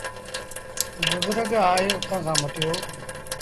بزرگ آئي اُتآن کآݩ مٽيو۔